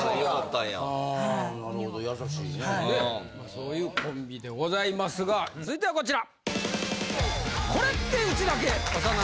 そういうコンビでございますが続いてはこちら！